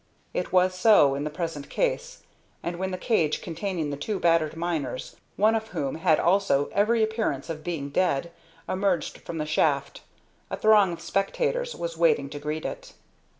It was so in the present case, and when the cage containing the two battered miners, one of whom had also every appearance of being dead, emerged from the shaft, a throng of spectators was waiting to greet it.